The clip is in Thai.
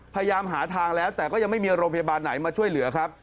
พยายามหาทางแล้วแต่ก็ยังไม่มีโรงพยาบาลไหนมาช่วยเหลือครับ